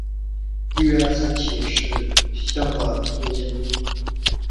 利园三期是香港一座建筑物。